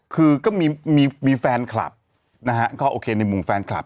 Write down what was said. คือก็มีแฟนคลับนะฮะก็โอเคในมุมแฟนคลับ